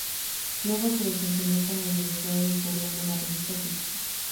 Luego se desempeñó como directora editorial de la revista "Crítica".